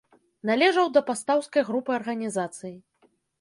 Належаў да пастаўскай групы арганізацыі.